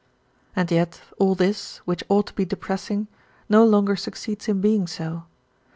And yet all this, which ought to be depressing, no longer succeeds in being so.